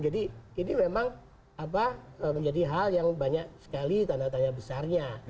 jadi ini memang menjadi hal yang banyak sekali tanda tanya besarnya